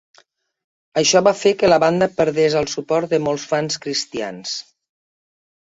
Això va fer que la banda perdés el suport de molts fans cristians.